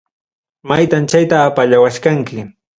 Maytam chaytam apallawachkanki.